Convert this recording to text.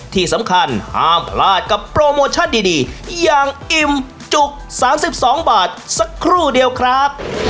ที่สำคัญห้ามพลาดกับโปรโมชั่นดีอย่างอิ่มจุก๓๒บาทสักครู่เดียวครับ